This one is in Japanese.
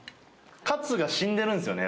カツが死んでるんですよね。